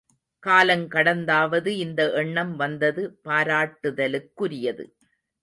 காலங் கடந்தாவது இந்த எண்ணம் வந்தது பாராட்டுதலுக் குரியது.